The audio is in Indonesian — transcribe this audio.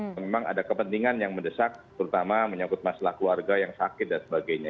memang ada kepentingan yang mendesak terutama menyangkut masalah keluarga yang sakit dan sebagainya